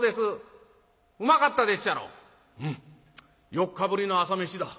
４日ぶりの朝飯だ。